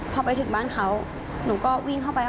พอไปถึงบ้านเขาหนูก็วิ่งเข้าไป